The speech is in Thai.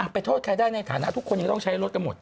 โทษใครได้ในฐานะทุกคนยังต้องใช้รถกันหมด